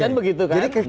kan begitu kan